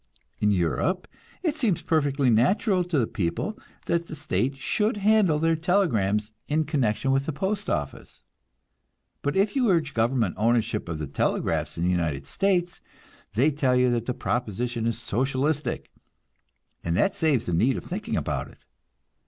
In Europe it seems perfectly natural to the people that the state should handle their telegrams in connection with the postoffice; but if you urge government ownership of the telegraphs in the United States, they tell you that the proposition is "socialistic," and that saves the need of thinking about it.